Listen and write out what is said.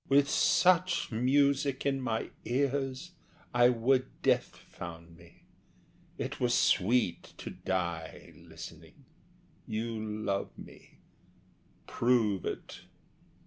HE. With such music in my ears I would death found me. It were sweet to die Listening! You love me prove it.